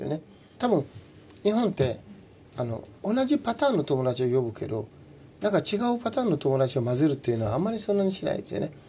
多分日本って同じパターンの友達を呼ぶけどなんか違うパターンの友達を交ぜるというのはあんまりそんなにしないんですよね。